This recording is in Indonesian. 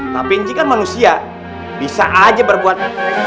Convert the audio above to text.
tapi kecil manusia bisa saja berbuat